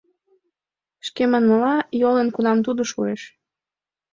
— Шке манмыла, йолын кунам тудо шуэш.